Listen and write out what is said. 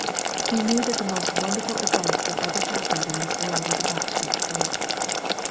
He knew that the most wonderful event that ever happened in this world was about to take place.